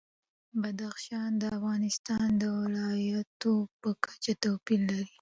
بدخشان د افغانستان د ولایاتو په کچه توپیر لري.